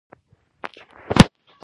هغه د ننګرهار ښار د کتنې لپاره وخوځېد.